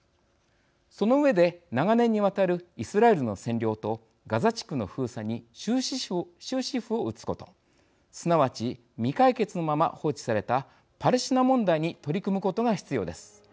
その上で、長年にわたるイスラエルの占領とガザ地区の封鎖に終止符を打つことすなわち、未解決のまま放置されたパレスチナ問題に取り組むことが必要です。